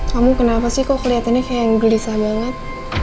kamu kenapa sih kok kelihatannya kayak gelisah banget